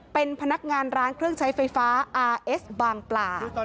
เป็นพนักงานร้านเครื่องใช้ไฟฟ้าอาร์เอสบางปลา